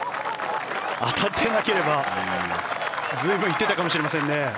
当たってなければ随分行っていたかもしれませんね。